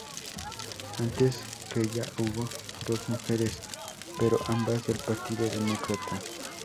Antes que ella hubo dos mujeres, pero ambas del Partido Demócrata.